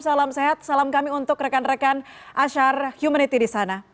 salam sehat salam kami untuk rekan rekan ashar humanity di sana